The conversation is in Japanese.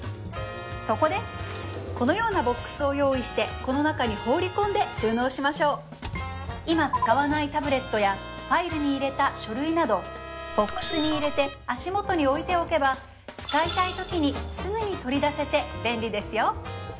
そこでこのようなボックスを用意してこの中に放り込んで収納しましょう今使わないタブレットやファイルに入れた書類などボックスに入れて足元に置いておけば使いたいときにすぐに取り出せて便利ですよ